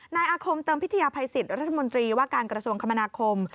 นายอาคมเติมพิทยาภัยสิทธิรัฐมนตรีว่าการกระทรวงคมนาคม